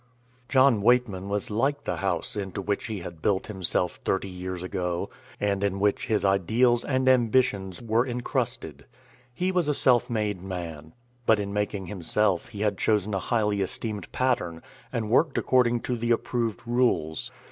John Weightman was like the house into which he had built himself thirty years ago, and in which his ideals and ambitions were incrusted. He was a self made man. But in making himself he had chosen a highly esteemed pattern and worked according to the approved rules.